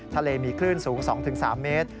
ทะเลมีคลื่นสูง๒๓เมตร